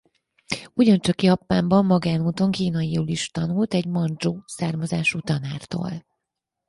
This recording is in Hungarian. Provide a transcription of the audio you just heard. Ugyan csak Japánban magánúton kínaiul is tanult egy mandzsu származású tanártól.